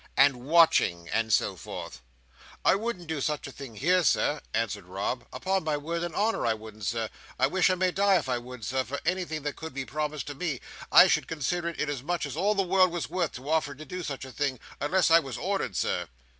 "And watching, and so forth." "I wouldn't do such a thing here, Sir," answered Rob; "upon my word and honour, I wouldn't, Sir, I wish I may die if I would, Sir, for anything that could be promised to me. I should consider it is as much as all the world was worth, to offer to do such a thing, unless I was ordered, Sir."